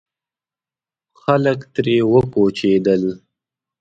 خلک ترې وکوچېدل.